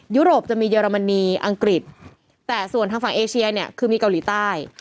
ยุโรปจะมีเยอรมนีอังกฤษแต่ส่วนทางฝั่งเอเชียเนี่ยคือมีเกาหลีใต้